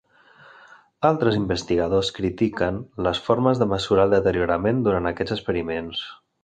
Altres investigadors critiquen les formes de mesurar el deteriorament durant aquests experiments.